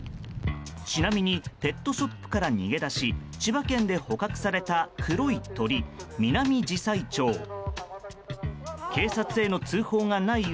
ちなみにペットショップから逃げ出し千葉県で捕獲された黒い鳥ミナミジサイチョウ。